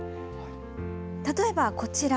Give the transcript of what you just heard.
例えば、こちら。